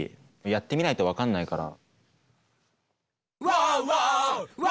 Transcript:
やってみないと分かんないから。